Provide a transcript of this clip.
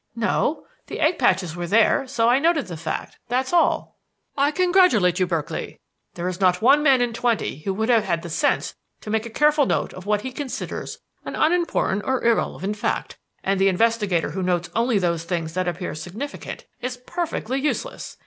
"No. The egg patches were there, so I noted the fact. That's all." "I congratulate you, Berkeley. There is not one man in twenty who would have had the sense to make a careful note of what he considers an unimportant or irrelevant fact; and the investigator who notes only those things that appear significant is perfectly useless.